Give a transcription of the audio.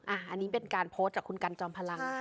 อันนี้เป็นการโพสต์จากคุณกันจอมพลัง